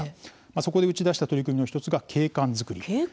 そこで打ち出した取り組みの１つが、景観づくり。